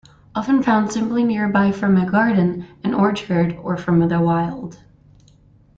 Often found simply nearby from a garden, an orchard or from the wild.